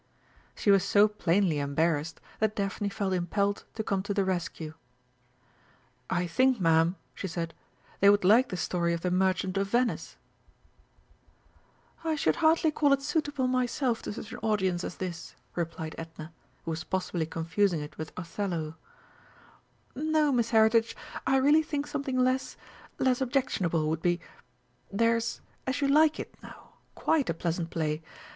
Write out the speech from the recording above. She was so plainly embarrassed that Daphne felt impelled to come to the rescue. "I think, Ma'am," she said, "they would like the story of The Merchant of Venice!" "I should hardly call it suitable myself to such an audience as this," replied Edna, who was possibly confusing it with Othello. "No, Miss Heritage, I really think something less less objectionable would be There's As you like it, now, quite a pleasant play.